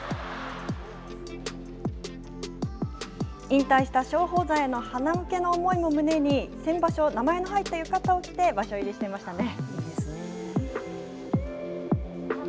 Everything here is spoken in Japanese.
引退した松鳳山へのはなむけの思いも胸に、先場所、名前の入った浴衣を着て場所入りしていましたね。